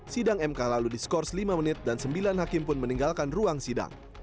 sidang mk lalu diskors lima menit dan sembilan hakim pun meninggalkan ruang sidang